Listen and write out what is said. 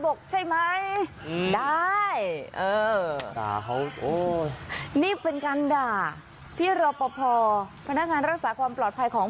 กใช่ไหมได้เออด่าเขาโอ้นี่เป็นการด่าพี่รอปภพนักงานรักษาความปลอดภัยของ